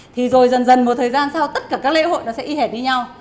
thì rồi dần dần một thời gian sau tất cả các lễ hội nó sẽ y hệt với nhau